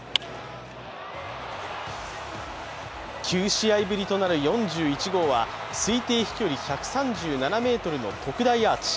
９試合ぶりとなる４１号は推定飛距離１３７ｍの特大アーチ。